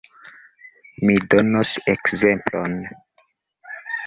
Mi donos ekzemplon.